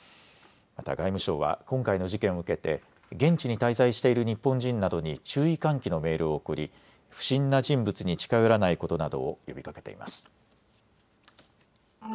また外務省は今回の事件を受けて現地に滞在している日本人などに注意喚起のメールを送り不審な人物に近寄らないことなどを呼びかけています。